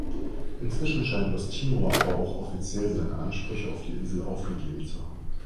Inzwischen scheint Osttimor aber auch offiziell seine Ansprüche auf die Insel aufgegeben zu haben.